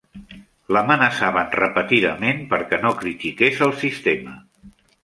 L'amenaçaven repetidament perquè no critiqués el sistema.